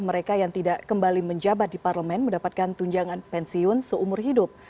mereka yang tidak kembali menjabat di parlemen mendapatkan tunjangan pensiun seumur hidup